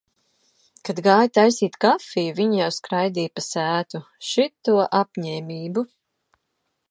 Kad gāju taisīt kafiju, viņi jau skraidīja pa sētu. Šito apņēmību.